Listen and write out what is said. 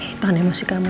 eh tangan emosi kamu